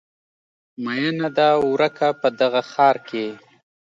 میینه ده ورکه په دغه ښار کې